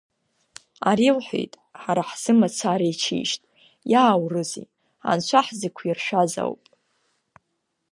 Ари, лҳәит, ҳара ҳзы мацара иҽишьт, иааурызи, анцәа ҳзықәиршәаз оуп.